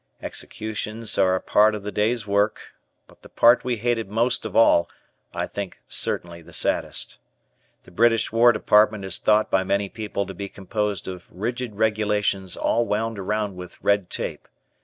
Executions are a part of the day's work but the part we hated most of all, I think certainly the saddest. The British War Department is thought by many people to be composed of rigid regulations all wound around with red tape.